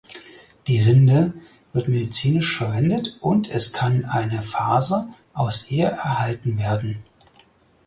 Die Rinde wird medizinische verwendet und es kann eine Faser aus ihr erhalten werden.